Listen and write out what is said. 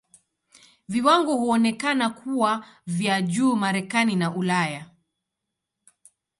Viwango huonekana kuwa vya juu Marekani na Ulaya.